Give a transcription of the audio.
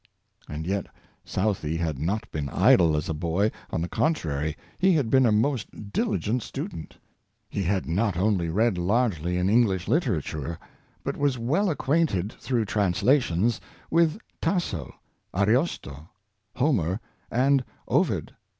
And yet Southey had not been idle as a boy — on the contrary, he had been a most diligent student. Pleasure of Worki7ig, 157 He had not only read largely in English literature, but was well acquainted, through translations, with Tasso, Ariosto, Homer and Ovid.